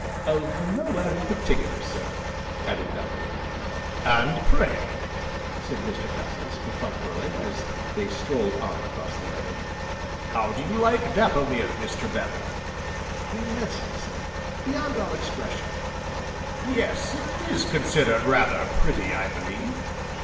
"Of nowhere in particular, sir!" added Bellew. "And pray," said Mr. Cassilis perfunctorily as they strolled on across the meadow, "how do you like Dapplemere, Mr. Bellew?" "Immensely, sir, beyond all expression!" "Yes, it is considered rather pretty, I believe."